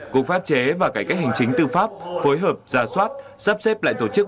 phục pháp chế và cải cách hành chính tư pháp phối hợp giả soát sắp xếp lại tổ chức